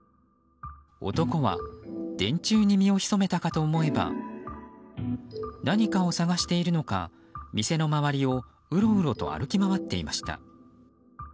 男は電柱に身をひそめたかと思えば何かを探しているのか店の周りをうろうろと歩き回っていました。